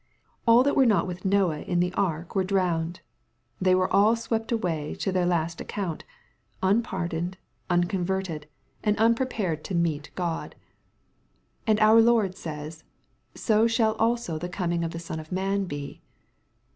All that were not with Noah in the ark were drowned. They were all swept away to their last account, unpardoned, unconverted, and unprepared to MATTHEW, CHAP. XXV. 327 meet God. And our Lord says, ^^so shall also the coming of the Son of man be."